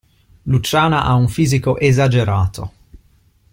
Luciana ha un fisico esagerato!